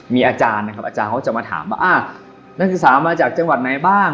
มีอาจารย์นะครับอาจารย์เขาจะมาถามว่านักศึกษามาจากจังหวัดไหนบ้าง